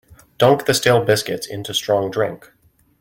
Dunk the stale biscuits into strong drink.